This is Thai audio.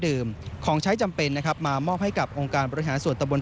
ของใช้จำเป็นนะครับมามอบให้กับองค์การบริหารส่วนตะบน